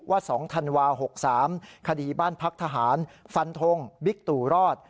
๒ธันวา๖๓คดีบ้านพักทหารฟันทงบิ๊กตู่รอด